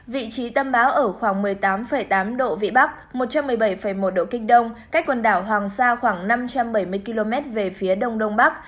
vị trí tâm bão ở khoảng một mươi tám tám độ vĩ bắc một trăm một mươi bảy một độ kinh đông cách quần đảo hoàng sa khoảng năm trăm bảy mươi km về phía đông đông bắc